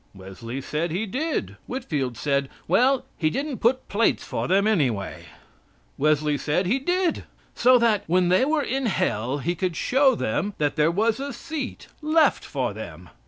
Wesley said He did. Whitfield said: "Well, He didn't put plates for them, anyway." Wesley said He did. So that, when they were in hell, he could show them that there was a seat left for them.